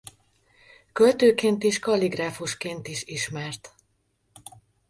Költőként és kalligráfusként is ismert.